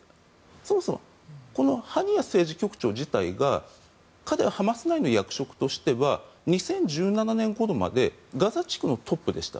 そもそもこのハニヤ政治局長自体が彼はハマス内の役職としては２０１７年ごろまでガザ地区のトップでした。